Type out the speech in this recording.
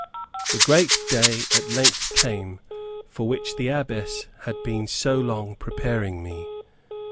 The great day at length came for which the Abbess had been so long preparing me.